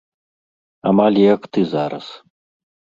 Амаль як ты зараз.